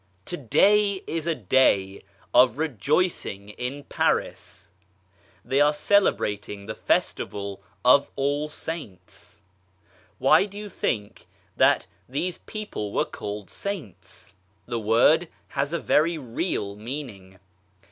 TpO DAY is a day of rejoicing in Paris 1 They are cele A brating the Festival of " All Saints/ 1 Why do you think that these people were called " Saints "? The word has a very real meaning.